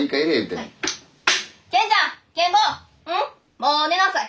「もう寝なさい！